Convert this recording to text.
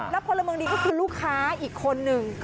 แล้วพลเมืองดีก็คือลูกค้าอีกคนนึง